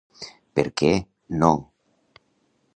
Per què? No!